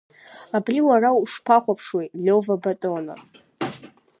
Абри уара ушԥахәаԥшуеи, Лиова Батоно?